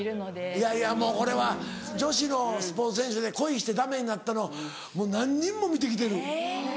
いやいやもうこれは女子のスポーツ選手で恋してダメになったのもう何人も見て来てる。